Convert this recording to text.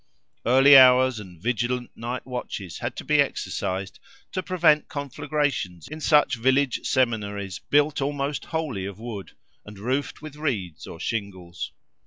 Early hours and vigilant night watches had to be exercised to prevent conflagrations in such village seminaries, built almost wholly of wood, and roofed with reeds or shingles.